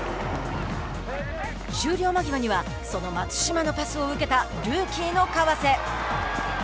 終了間際にはその松島のパスを受けたルーキーの河瀬。